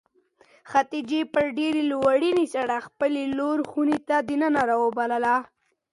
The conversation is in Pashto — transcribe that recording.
خدیجې په ډېرې لورېنې سره خپله لور خونې ته د ننه راوبلله.